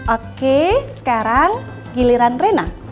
oke sekarang giliran rena